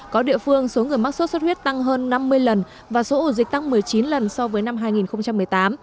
có địa phương số người mắc sốt xuất huyết tăng hơn năm mươi lần và số ổ dịch tăng một mươi chín lần so với năm hai nghìn một mươi tám